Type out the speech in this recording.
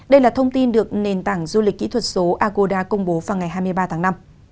đây là thông tin được nền tảng du lịch kỹ thuật số agoda công bố vào ngày hai mươi ba tháng năm